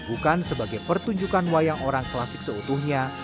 bukan sebagai pertunjukan wayang orang klasik seutuhnya